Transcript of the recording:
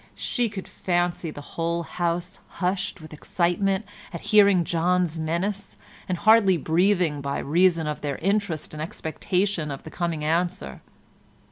She could fancy the whole house hushed with excitement at hearing John's menace, and hardly breathing by reason of their interest and expectation of the coming answer.